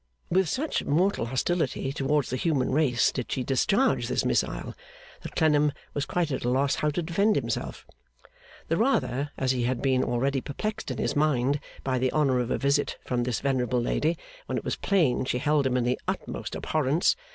With such mortal hostility towards the human race did she discharge this missile, that Clennam was quite at a loss how to defend himself; the rather as he had been already perplexed in his mind by the honour of a visit from this venerable lady, when it was plain she held him in the utmost abhorrence.